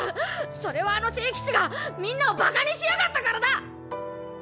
それはあの聖騎士がみんなをバカにしやがったからだ！